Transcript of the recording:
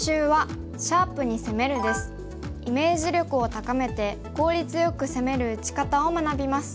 イメージ力を高めて効率よく攻める打ち方を学びます。